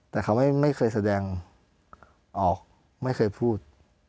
แต่เขาไม่เคยแสดงออกไม่เคยพูด